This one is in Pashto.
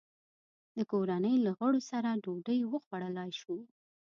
د کورنۍ له غړو سره ډوډۍ وخوړلای شو.